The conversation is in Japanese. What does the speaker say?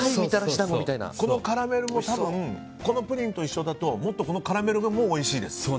このカラメルも多分このプリンと一緒だともっとカラメルもおいしいです。